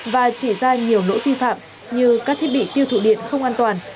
và chỉ ra nhiều lỗ thi phạm như các thiết bị tiêu thụ điện không an toàn